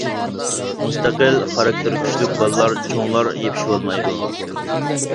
مۇستەقىل، خاراكتېرى كۈچلۈك بالىلار چوڭلار يېپىشىۋالمايدۇ.